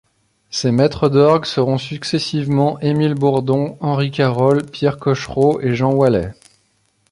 Ses maîtres d'orgue seront successivement Émile Bourdon, Henri Carol, Pierre Cochereau et Jean Wallet.